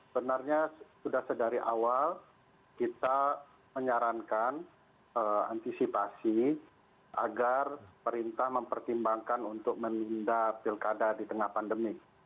benarnya sudah sedari awal kita menyarankan antisipasi agar perintah mempertimbangkan untuk menunda pilkada di tengah pandemi